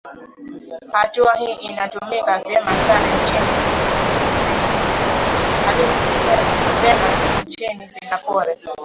Hatua hii inatumika vyema sana nchini Singapore